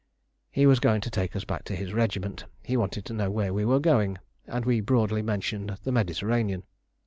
He was going to take us back to his regiment. He wanted to know where we were going, and we broadly mentioned the Mediterranean.